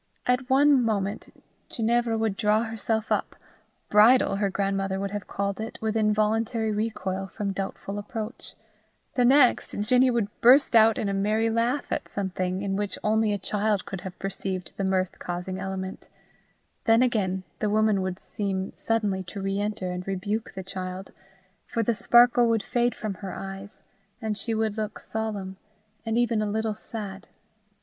At one moment Ginevra would draw herself up bridle her grandmother would have called it with involuntary recoil from doubtful approach; the next, Ginny would burst out in a merry laugh at something in which only a child could have perceived the mirth causing element; then again the woman would seem suddenly to re enter and rebuke the child, for the sparkle would fade from her eyes, and she would look solemn, and even a little sad.